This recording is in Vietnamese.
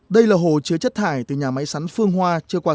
đây là hồ chứa chất thải từ nhà máy sắn phương hoa chưa qua xử lý